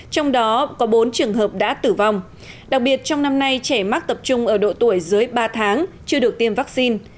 trong đó có bốn trường hợp đã tử vong đặc biệt trong năm nay trẻ mắc tập trung ở độ tuổi dưới ba tháng chưa được tiêm vaccine